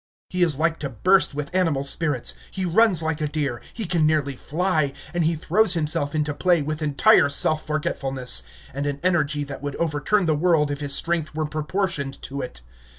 He is like to burst with animal spirits; he runs like a deer; he can nearly fly; and he throws himself into play with entire self forgetfulness, and an energy that would overturn the world if his strength were proportioned to it.